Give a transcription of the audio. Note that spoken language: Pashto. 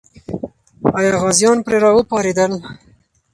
آیا غازیان پرې راوپارېدل؟